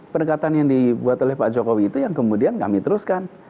pendekatan yang dibuat oleh pak jokowi itu yang kemudian kami teruskan